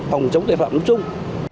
phòng chống tội phạm lúc chung